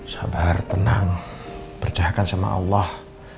sabar tenang percayakan sama allah